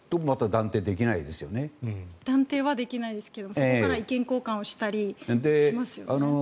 断定はできないですがそこから意見交換をしたりしますよね。